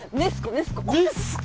ネスコ！？